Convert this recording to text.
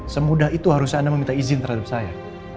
semudah itu harusnya anda meminta izin terhadap saya